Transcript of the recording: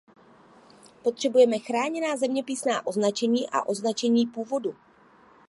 Potřebujeme chráněná zeměpisná označení a označení původu.